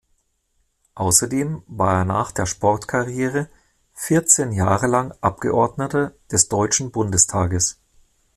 Außerdem war er nach der Sportkarriere vierzehn Jahre lang Abgeordneter des deutschen Bundestages.